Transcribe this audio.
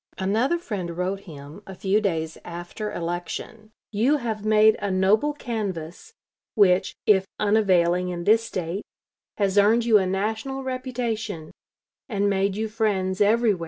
Another friend wrote him, a few days after election: "You have made a noble canvass, which, if unavailing in this State, has earned you a national reputation, and made you friends everywhere."